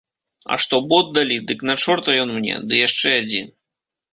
А што бот далі, дык на чорта ён мне, ды яшчэ адзін!